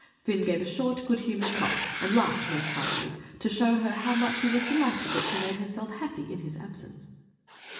'" Fin gave a short, good humoured cough, and laughed most heartily, to show her how much he was delighted that she made herself happy in his absence.